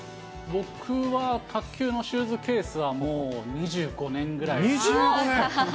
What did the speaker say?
僕は卓球のシューズケースは２５年？